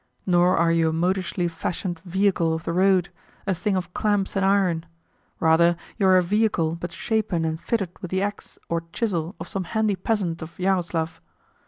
Nor are you a modishly fashioned vehicle of the road a thing of clamps and iron. Rather, you are a vehicle but shapen and fitted with the axe or chisel of some handy peasant of Yaroslav.